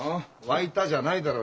「沸いた」じゃないだろ？